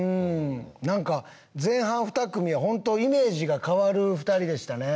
なんか前半２組はイメージが変わる２人でしたね。